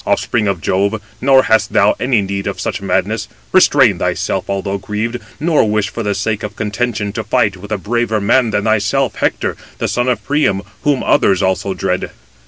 offspring of Jove, nor hast thou any need of such madness: restrain thyself, although grieved, nor wish for the sake of contention to fight with a braver man than thyself, Hector, the son of Priam, whom others also dread.